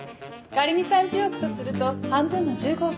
仮に３０億とすると半分の１５億。